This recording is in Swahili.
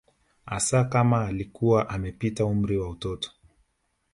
Hasa kama alikuwa amepita umri wa utoto